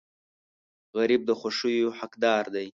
غریب د خوښیو حقدار دی